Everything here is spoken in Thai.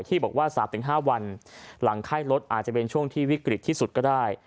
ที่บอกว่า๓๕วันหลังไข้รถอาจจะเป็นช่วงที่วิกฤตที่สุดก็ได้